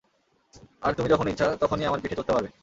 আর তুমি যখন ইচ্ছা, তখনই আমার পিঠে চড়তে পারবে।